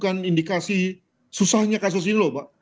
bukan indikasi susahnya kasus ini loh pak